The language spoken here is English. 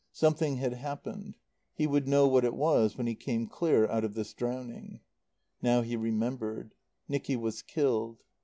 Something had happened. He would know what it was when he came clear out of this drowning. Now he remembered. Nicky was killed.